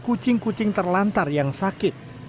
kucing kucing terlantar yang sakit